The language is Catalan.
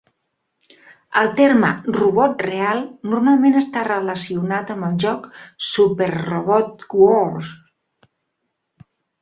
El terme "robot real" normalment està relacionat amb el joc " Super Robot Wars".